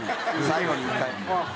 最後に１回。